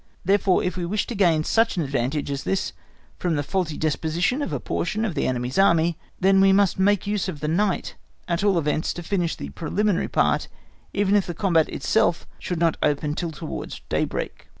If therefore we wish to gain such an advantage as this from the faulty disposition of a portion of the enemy's Army, then we must make use of the night, at all events, to finish the preliminary part even if the combat itself should not open till towards daybreak.